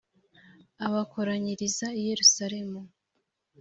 abakoranyiriza i yerusalemu .